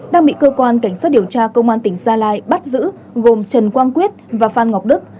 đang bị cơ quan cảnh sát điều tra công an tỉnh gia lai bắt giữ gồm trần quang quyết và phan ngọc đức